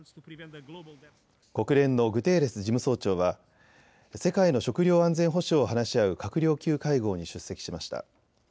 国連のグテーレス事務総長は世界の食料安全保障を話し合う閣僚級会合に出席しました。